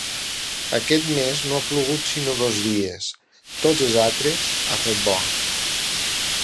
Aquest mes no ha plogut sinó dos dies: tots els altres ha fet bo.